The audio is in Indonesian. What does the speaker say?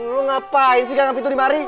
lu ngapain sih nggak ngapain tuh di mari